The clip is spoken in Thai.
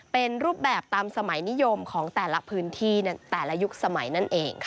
เป็นรูปแบบตามสมัยนิยมของแต่ละพื้นที่แต่ละยุคสมัยนั่นเองค่ะ